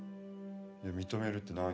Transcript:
いや認めるって何？